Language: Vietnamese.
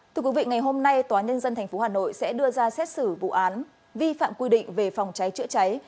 thưa quý vị ngày hôm nay tòa nhân dân tp hà nội sẽ đưa ra xét xử vụ án vi phạm quy định về phòng cháy chữa cháy